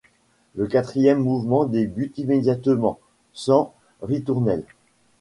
Le quatrième mouvement débute immédiatement, sans ritournelle.